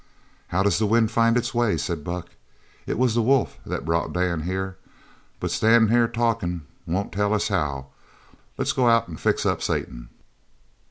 "How does the wind find its way?" said Buck. "It was the wolf that brought Dan here, but standin' here talkin' won't tell us how. Let's go out an' fix up Satan."